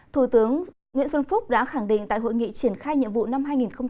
thủ tướng nguyễn xuân phúc đã khẳng định tại hội nghị triển khai nhiệm vụ năm hai nghìn hai mươi